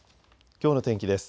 きょうの天気です。